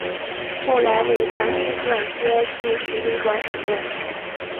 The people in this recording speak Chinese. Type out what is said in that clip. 后来为粮食店街第十旅馆使用。